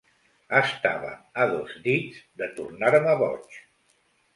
Estava a dos dits de tornar-me boig.